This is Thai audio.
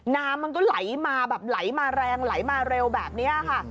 น้ำมันก็ไหลมาแรงไหลมาเร็วแบบนี้ค่ะ